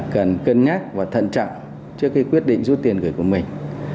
cần cân nhắc và thân trọng trước khi quyết định rút tiền gửi của mình